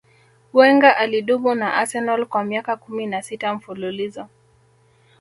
wenger alidumu na arsenal kwa miaka kumi na sita mfululizo